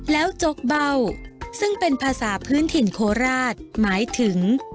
แล้วจกเบ้าซึ่งเป็นภาษาพื้นถิ่นโคราชหมายถึง